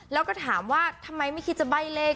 แล้วก็ถามว่าทำไมไม่คิดจะใบ้เลข